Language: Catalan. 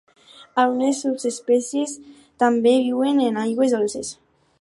Algunes subespècies també viuen en aigües dolces.